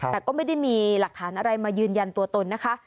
แต่ก็ไม่ได้มีหลักฐานอะไรมายืนยันตัวตนนะคะ